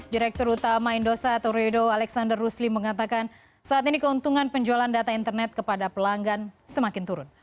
direktur utama indosa atau riodo alexander rusli mengatakan saat ini keuntungan penjualan data internet kepada pelanggan semakin turun